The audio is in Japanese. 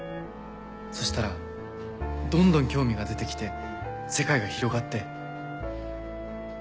そしたらどんどん興味が出て来て世界が広がって。